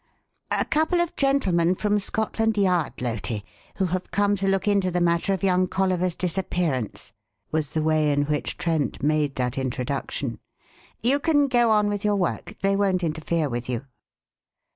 "A couple of gentlemen from Scotland Yard, Loti, who have come to look into the matter of young Colliver's disappearance," was the way in which Trent made that introduction. "You can go on with your work; they won't interfere with you."